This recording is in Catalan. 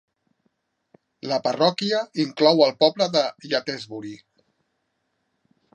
La parròquia inclou el poble de Yatesbury.